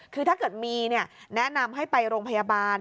คือถ้าเกิดมีแนะนำให้ไปโรงพยาบาล